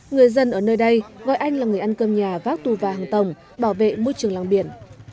người dân ở nơi đây gọi anh là người ăn cơm nhà vác tu và hàng tổng bảo vệ môi trường làng biển